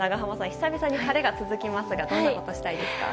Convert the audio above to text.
久々に晴れが続きますが何をして過ごしたいですか？